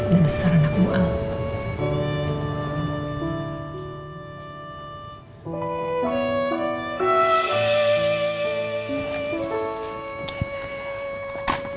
jangan seronok mu